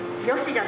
よし。